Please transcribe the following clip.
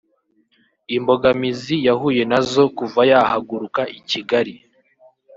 Imbogamizi yahuye nazo kuva yahaguruka i Kigali